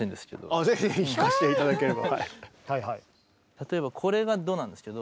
例えばこれがドなんですけど。